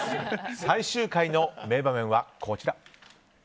最終回の名場面はこちら。